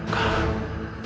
nyai sedang terluka